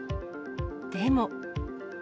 でも。